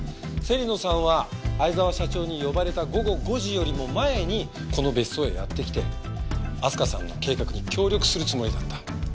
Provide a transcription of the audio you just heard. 芹野さんは逢沢社長に呼ばれた午後５時よりも前にこの別荘へやって来て明日香さんの計画に協力するつもりだった。